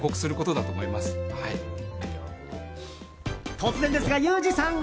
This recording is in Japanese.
突然ですがユージさん。